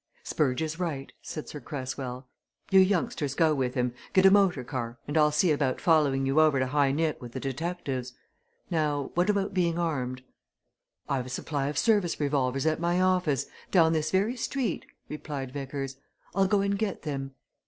"Spurge is right," said Sir Cresswell. "You youngsters go with him get a motor car and I'll see about following you over to High Nick with the detectives. Now, what about being armed?" "I've a supply of service revolvers at my office, down this very street," replied Vickers. "I'll go and get them.